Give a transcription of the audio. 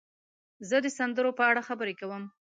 زه د سندرو په اړه خبرې کوم.